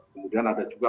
kemudian ada juga